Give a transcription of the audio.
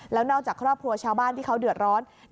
แล้วนอกจากครอบครัวชาวบ้านที่เขาเดือดร้อน